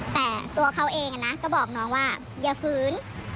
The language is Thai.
แต่ตัวเขาเองก็บอกน้องว่าอย่าฝืน